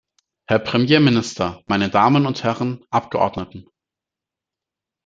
Herr Premierminister, meine Damen und Herren Abgeordneten!